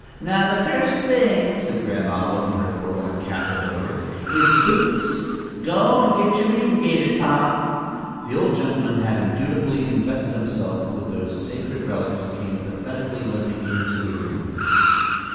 "Now the first thing," said Grandma, looking her forlorn captive over; "is boots. Go and get on yer meetin' gaiters, pa." The old gentleman, having dutifully invested himself, with those sacred relics, came pathetically limping into the room.